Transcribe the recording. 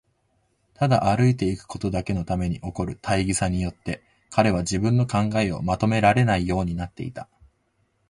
ただ歩いていくことだけのために起こる大儀さによって、彼は自分の考えをまとめられないようになっていた。